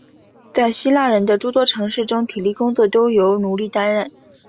在希腊人的诸多城市中体力工作都由奴隶担任。